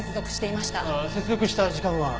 接続した時間は？